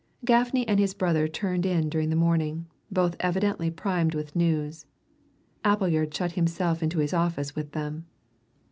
Gaffney and his brother turned in during the morning, both evidently primed with news. Appleyard shut himself into his office with them.